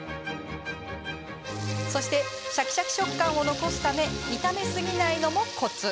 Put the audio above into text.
そして、シャキシャキ食感を残すため炒めすぎないのもコツ。